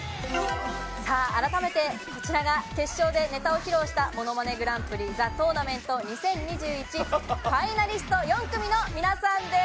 さあ、改めて、こちらが決勝でネタを披露したものまねグランプリ・ザ・トーナメント２０２１ファイナリスト４組の皆さんでーす。